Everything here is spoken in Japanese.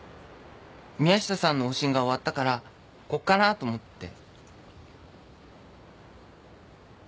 宮下さんの往診が終わったからここかなと思って。